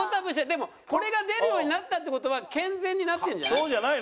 でもこれが出るようになったって事は健全になってるんじゃない？